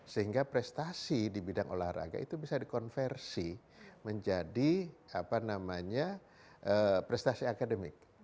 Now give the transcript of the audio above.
sehingga prestasi di bidang olahraga itu bisa dikonversi menjadi prestasi akademik